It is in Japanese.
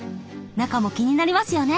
中も気になりますよね？